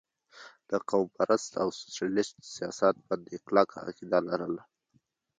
د قوم پرست او سوشلسټ سياست باندې کلکه عقيده لرله